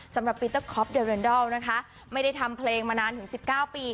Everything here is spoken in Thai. สำหรับปีเตอร์คอปเดอเรนดอลนะคะไม่ได้ทำเพลงมานานถึง๑๙ปี